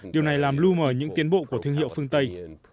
điều này làm lưu mở những tiến bộ của thương hiệu phương tây